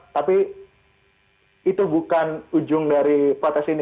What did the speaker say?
tapi itu bukan ujung dari protes ini